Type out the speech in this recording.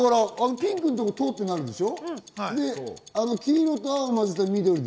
ピンクのところが「ト」ってなるでしょ。